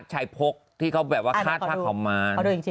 ชายพกที่เขาแบบว่าคาดพรรคมาน